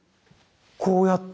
こうやって。